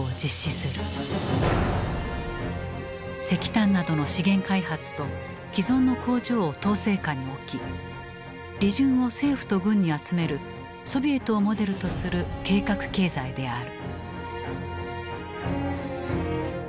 石炭などの資源開発と既存の工場を統制下に置き利潤を政府と軍に集めるソビエトをモデルとする計画経済である。